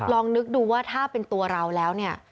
ลองนึกดูว่าถ้าเป็นตัวเราแล้วเนี่ย